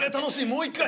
もう一回？